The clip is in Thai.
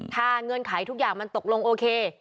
ถ้าเงื่อนไขทุกอย่างมันตกลงโอเค